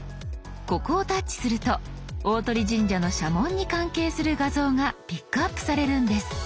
ここをタッチすると大鳥神社の社紋に関係する画像がピックアップされるんです。